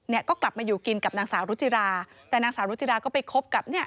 เนี่ยก็กลับมาอยู่กินกับนางสาวรุจิราแต่นางสาวรุจิราก็ไปคบกับเนี่ย